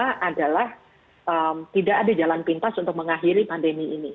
yang pertama adalah tidak ada jalan pintas untuk mengakhiri pandemi ini